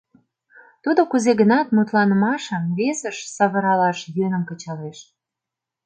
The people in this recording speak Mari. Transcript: Тудо кузе-гынат мутланымашым весыш савыралаш йӧным кычалеш.